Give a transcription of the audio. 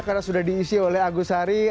karena sudah diisi oleh agus sari